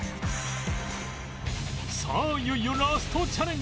さあいよいよラストチャレンジ